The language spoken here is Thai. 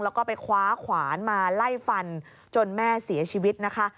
แล้วก็ไปคว้าขวานมาไล่ฟันจนแม่เสียชีวิตนะคะ